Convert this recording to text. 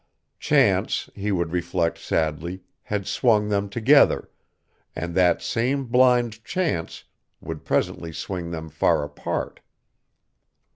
Chance, he would reflect sadly, had swung them together, and that same blind chance would presently swing them far apart.